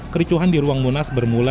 kericuhan di ruang munas bermula